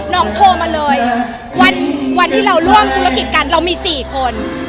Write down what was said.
โทรมาเลยวันที่เราร่วมธุรกิจกันเรามี๔คน